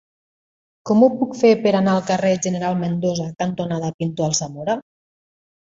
Com ho puc fer per anar al carrer General Mendoza cantonada Pintor Alsamora?